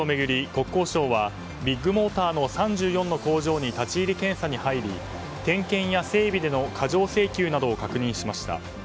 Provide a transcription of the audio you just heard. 国交省はビッグモーターの３４の工場に立ち入り検査に入り点検や整備での過剰請求などを確認しました。